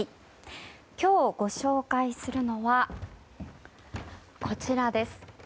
今日ご紹介するのはこちらです。